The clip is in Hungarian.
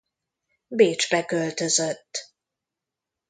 Bécsbe költözött.